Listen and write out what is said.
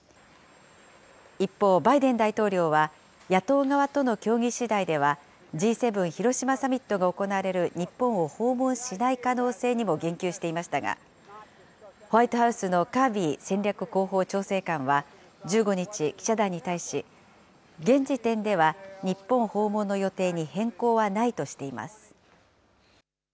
一方、バイデン大統領は、野党側との協議しだいでは、Ｇ７広島サミットが行われる日本を訪問しない可能性にも言及していましたが、ホワイトハウスのカービー戦略広報調整官は、１５日、記者団に対し、現時点では日本訪問の予定に変更はないとしています。